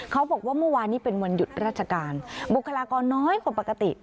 เขาบอกว่าเมื่อวานนี้เป็นวันหยุดราชการบุคลากรน้อยกว่าปกติ